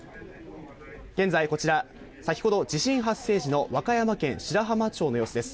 現在こちら、先ほど地震発生時の和歌山県白浜町の様子です。